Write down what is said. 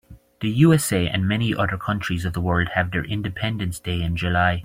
The USA and many other countries of the world have their independence day in July.